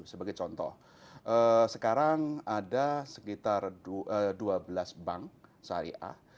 sebagai contoh sekarang ada sekitar dua belas bank syariah